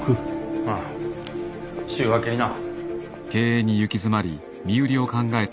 ああ週明けにな。